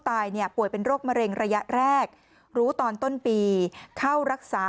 ตายเนี่ยป่วยเป็นโรคมะเร็งระยะแรกรู้ตอนต้นปีเข้ารักษา